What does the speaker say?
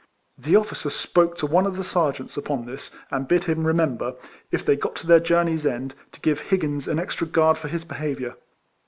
The officer spoke to one of the sergeants upon this, and bid him re member, if they got to their journey's end, to give Higgins an extra guard for his behaviour.